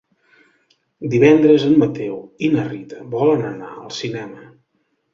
Divendres en Mateu i na Rita volen anar al cinema.